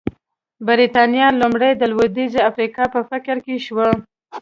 برېټانیا لومړی د لوېدیځې افریقا په فکر کې شوه.